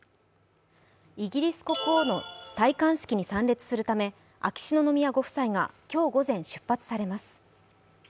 イギリス国王の戴冠式に参列するため秋篠宮ご夫妻が今日午前、出発されます。